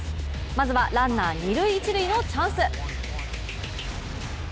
まずはランナー、二塁・一塁のチャンス。